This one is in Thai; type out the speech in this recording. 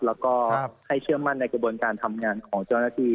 แล้วก็ให้เชื่อมั่นในกระบวนการทำงานของเจ้าหน้าที่